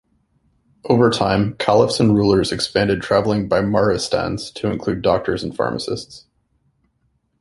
Over time, Caliphs and rulers expanded traveling bimaristans to include doctors and pharmacists.